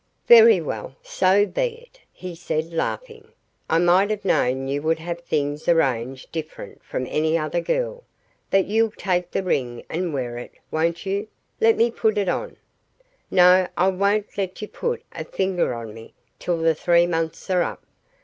"Very well; so be it," he said laughing. "I might have known you would have things arranged different from any other girl. But you'll take the ring and wear it, won't you? Let me put it on." "No; I won't let you put a finger on me till the three months are up.